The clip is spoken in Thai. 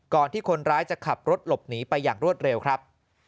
ที่คนร้ายจะขับรถหลบหนีไปอย่างรวดเร็วครับ